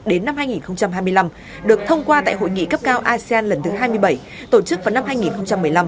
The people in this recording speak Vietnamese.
đến năm hai nghìn hai mươi năm được thông qua tại hội nghị cấp cao asean lần thứ hai mươi bảy tổ chức vào năm hai nghìn một mươi năm